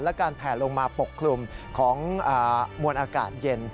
และการแผลลงมาปกคลุมของมวลอากาศเย็น